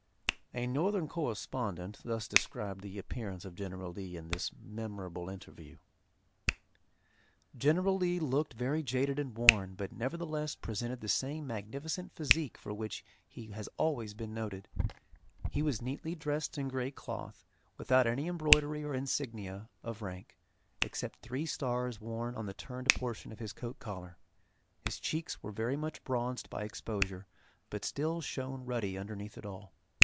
A northern correspondent thus described the appearance of General Lee in this memorable interview: "General Lee looked very jaded and worn, but, nevertheless, presented the same magnificent phisique for which he has always been noted. He was neatly dressed in grey cloth, without any embroidery or ensigna of rank, except three stars worn on the turned portion of his coat collar. His cheeks were very much bronzed by exposure, but still shone ruddy underneath it all.